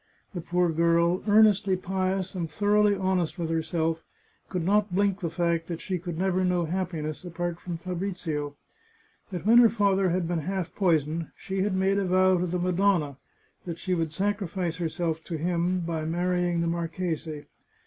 The poor girl, earnestly pious and thoroughly honest with herself, could not blink the fact that she could never know happiness apart from Fabrizio. But when her father had been half poisoned, she had made a vow to the Madonna that she would sacrifice herself to him by marrying the mar chese.